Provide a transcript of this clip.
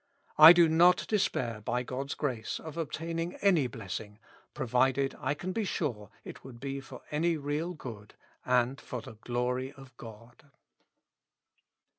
I do not despair, by God's grace, of obtaining any blessing, provided I can be sure it would be for any real good, and for the glory of God."